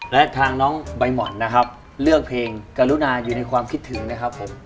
และทางน้องใบหม่อนนะครับเลือกเพลงกรุณาอยู่ในความคิดถึงนะครับผม